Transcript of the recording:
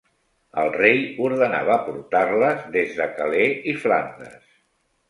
El rei ordenava portar-les des de Calais i Flandes.